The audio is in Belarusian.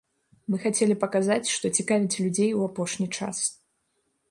Мы хацелі паказаць, што цікавіць людзей у апошні час.